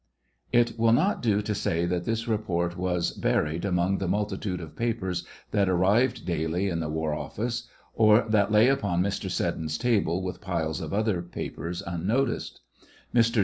It will not do to say that this report was buried among the mnltitude of papers that arrived daily in the war office, or that lay upon Mr. Seddou's table with piles of otlier papers unnoticed. Mr.